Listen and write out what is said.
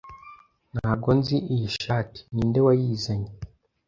Ntabwo nzi iyi shati, Ninde wayizanye?